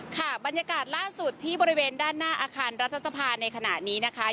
ค่ะบรรยากาศล่าสุดที่บริเวณด้านหน้าอาคารรัฐสภาในขณะนี้นะคะ